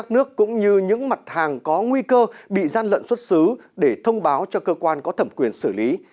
nước cũng như những mặt hàng có nguy cơ bị gian lận xuất xứ để thông báo cho cơ quan có thẩm quyền xử lý